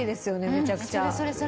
めちゃくちゃ。